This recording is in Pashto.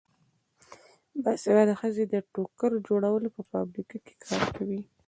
باسواده ښځې د ټوکر جوړولو په فابریکو کې کار کوي.